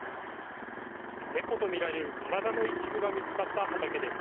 猫と見られる体の一部が見つかった畑です。